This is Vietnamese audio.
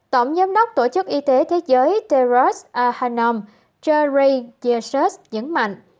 tổng giám đốc tổ chức y tế thế giới teros ahanom cheray yersus dẫn mạnh